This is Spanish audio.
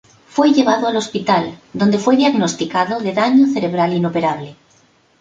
Fue llevado al hospital donde fue diagnosticado de daño cerebral inoperable.